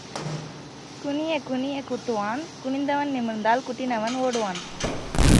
குனியக் குனியக் குட்டுவான், குனிந்தவன் நிமிர்ந்தால் குட்டினவன் ஓடுவான்.